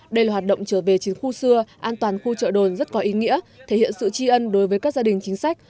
đây là hoạt động trở về chiến khu xưa an toàn khu chợ đồn rất có ý nghĩa thể hiện sự tri ân đối với các gia đình chính sách